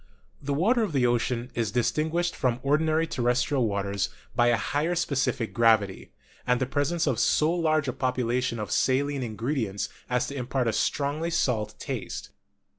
The water of the ocean is distinguished from ordinary terrestrial waters by a higher specific gravity, and the presence of so large a proportion of saline ingredients as to impart a strongly salt taste.